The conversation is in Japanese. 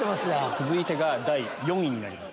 続いてが第４位になります。